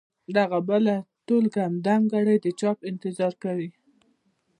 دغه بله ټولګه دمګړۍ د چاپ انتظار کوي.